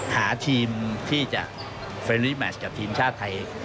หาทีมที่จะเฟรี่แมชกับทีมชาติไทย